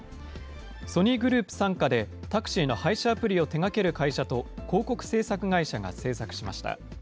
ソニーグループ傘下でタクシーの配車アプリを手がける会社と広告制作会社が制作しました。